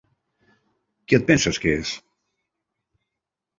Qui et penses que és?